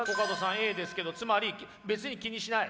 Ａですけどつまり別に気にしない？